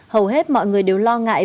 hầu hết mọi người đều lo ngại